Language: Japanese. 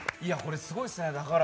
すごいですね。